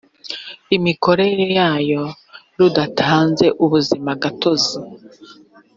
imikorere yayo rudatanze ubuzimagatozi